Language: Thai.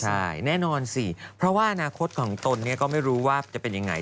ใช่แน่นอนสิเพราะว่าอนาคตของตนเนี่ยก็ไม่รู้ว่าจะเป็นยังไง